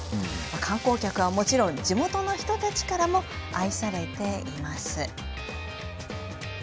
観光客はもちろん地元の人たちからも愛されています。